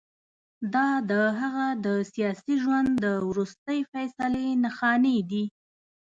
دا د هغه د سیاسي ژوند د وروستۍ فیصلې نښانې دي.